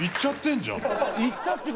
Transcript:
行ったって事？